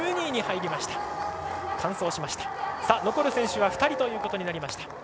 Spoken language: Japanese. １２位に入りました。